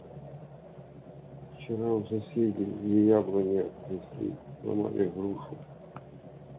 – Вчера у соседей две яблони обтрясли, сломали грушу.